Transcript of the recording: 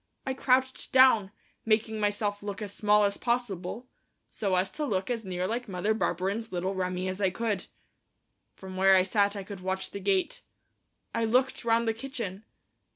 I crouched down, making myself look as small as possible, so as to look as near like Mother Barberin's little Remi as I could. From where I sat I could watch the gate. I looked round the kitchen.